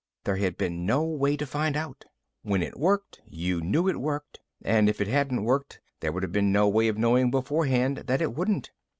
There had been no way to find out. When it worked, you knew it worked. And if it hadn't worked, there would have been no way of knowing beforehand that it wouldn't.